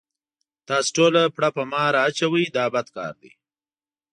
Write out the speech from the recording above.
تاسې ټوله پړه په ما را اچوئ دا بد کار دی.